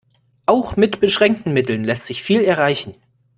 Auch mit beschränkten Mitteln lässt sich viel erreichen.